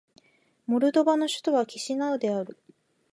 モルドバの首都はキシナウである